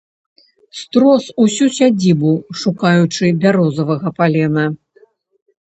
Строс ўсю сядзібу, шукаючы бярозавага палена.